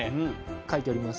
書いてあります